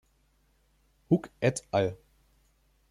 Huck et al.